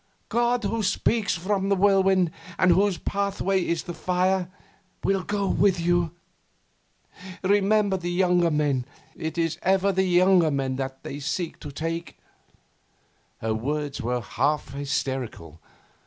God, who speaks from the whirlwind, and whose pathway is the fire, will go with you. Remember the younger men; it is ever the younger men that they seek to take...!' Her words were half hysterical.